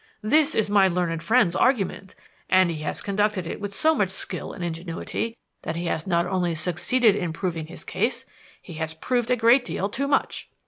This is my learned friend's argument, and he has conducted it with so much skill and ingenuity that he has not only succeeded in proving his case; he has proved a great deal too much.